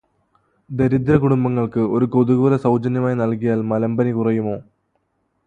ദരിദ്രകുടുംബങ്ങൾക്ക് ഒരു കൊതുകുവല സൗജന്യമായി നൽകിയാൽ മലമ്പനി കുറയുമോ?